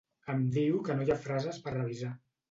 Em diu que no hi ha frases per revisar.